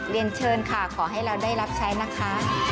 เรียนเชิญค่ะขอให้เราได้รับใช้นะคะ